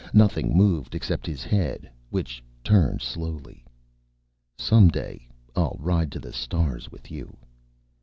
Nothing moved except his head, which turned slowly. "Some day I'll ride to the stars with you."